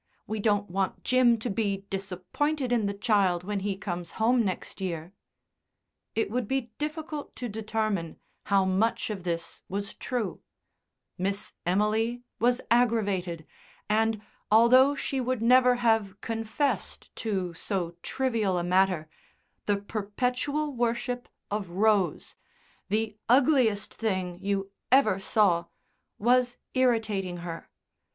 We don't want Jim to be disappointed in the child when he comes home next year." It would be difficult to determine how much of this was true; Miss Emily was aggravated and, although she would never have confessed to so trivial a matter, the perpetual worship of Rose "the ugliest thing you ever saw" was irritating her.